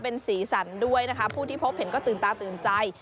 เป็นสีสันด้วยนะคะผู้ที่พบเห็นก็ตื่นตาตื่นใจ